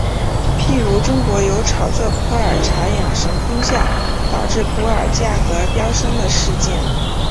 譬如中国有炒作普洱茶养生功效导致普洱价格飙升的事件。